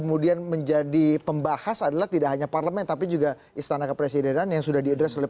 kemudian menjadi pembahas adalah tidak hanya parlemen tapi juga istana kepresidenan yang sudah diadres oleh